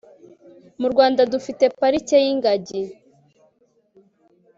murwanda dufite parike yingagi